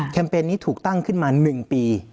เปญนี้ถูกตั้งขึ้นมา๑ปี